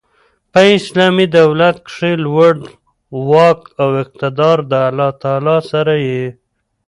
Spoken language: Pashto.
په اسلامي دولت کښي لوړ واک او اقتدار د الله تعالی سره يي.